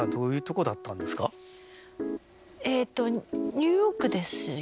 ニューヨークですよね。